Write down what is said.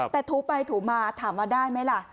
แต่ถูไปถูมาถามว่าได้ไหมล่ะ